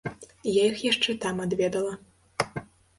Я іх яшчэ там адведала.